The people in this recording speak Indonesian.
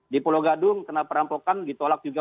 dipulau gadung kena perampokan ditolak juga